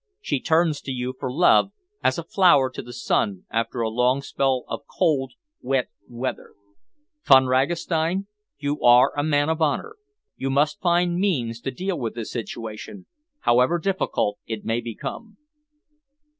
She turns to you for love as a flower to the sun after a long spell of cold, wet weather. Von Ragastein, you are a man of honour. You must find means to deal with this situation, however difficult it may become."